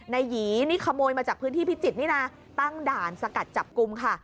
นายหยีนี่ขโมยมาจากพิจิตรนี่น่ะตั้งด่านสกัดจับกุมค่ะ